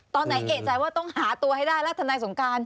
ตอนไหนเอกใจว่าต้องหาตัวให้ได้แล้วทนายสงการ